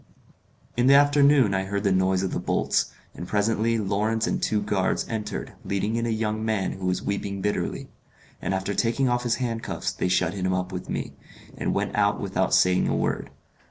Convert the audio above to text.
In the afternoon I heard the noise of the bolts, and presently Lawrence and two guards entered leading in a young man who was weeping bitterly; and after taking off his handcuffs they shut him up with me, and went out without saying a word.